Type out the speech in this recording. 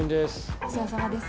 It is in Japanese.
お世話さまです。